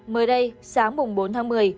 mới đây sáng bốn tháng một mươi